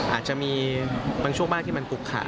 อาจจะมีบางช่วงมากที่มันปลุกขะ